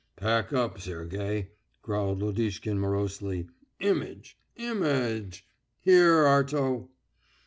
"Pack up, Sergey," growled Lodishkin morosely. "Image, im a age.... Here, Arto!..."